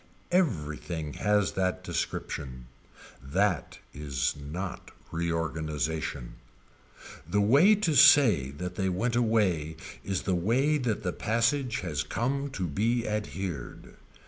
Everything has that description. That is not reorganization. The way to say that they went away is the way that the passage has come to be adhered.